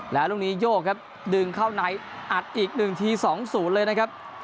แล้วลูกนี้โยกครับดึงเข้าในอัดอีก๑ที๒๐เลยนะครับ